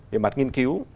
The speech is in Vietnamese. về mặt nghiên cứu